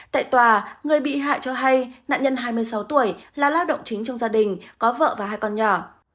tại tòa người bị hại cho hay nạn nhân hai mươi sáu tuổi là lao động chính trong gia đình có vợ và hai con nhỏ